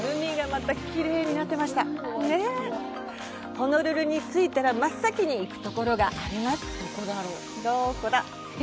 ホノルルに到着したら真っ先に行くところがあります。